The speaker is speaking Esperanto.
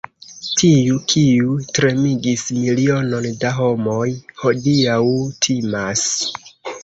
Tiu, kiu tremigis milionon da homoj, hodiaŭ timas!